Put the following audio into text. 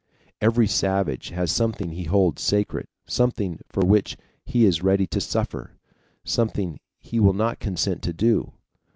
Every savage has something he holds sacred, something for which he is ready to suffer, something he will not consent to do.